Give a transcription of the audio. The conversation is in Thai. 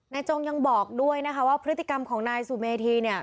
จงยังบอกด้วยนะคะว่าพฤติกรรมของนายสุเมธีเนี่ย